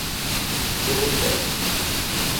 — Про Богдана.